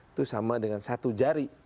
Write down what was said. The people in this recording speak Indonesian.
itu sama dengan satu jari